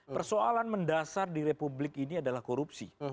persoalan mendasar di republik ini adalah korupsi